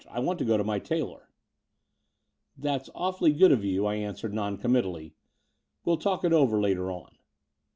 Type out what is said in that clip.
I want to go to my tailor." "It's awfully good of you," I answered non committally. "We'll talk it over later on."